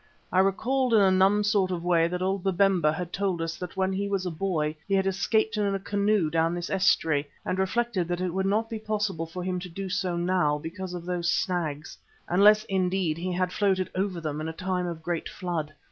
I recalled in a numb sort of way that old Babemba had told us that when he was a boy he had escaped in a canoe down this estuary, and reflected that it would not be possible for him to do so now because of those snags. Unless, indeed, he had floated over them in a time of great flood.